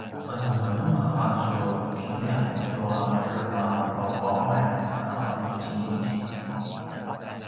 anemanema a su kinljang tua remavauvaungan a ’emuzimuzip?